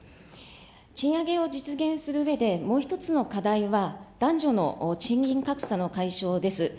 賃上げを実現するうえで、もう一つの課題は、男女の賃金格差の解消です。